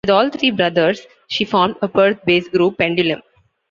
With all three brothers, she formed a Perth-based group, Pendulum.